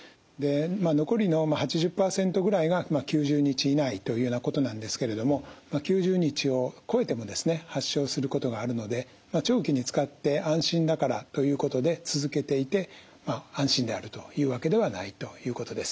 残りの８０％ぐらいが９０日以内というようなことなんですけれども９０日を超えてもですね発症することがあるので長期に使って安心だからということで続けていて安心であるというわけではないということです。